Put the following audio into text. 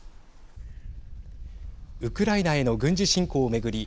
ウクライナへの軍事侵攻を巡り